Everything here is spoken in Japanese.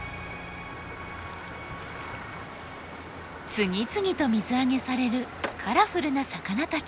次々と水揚げされるカラフルな魚たち。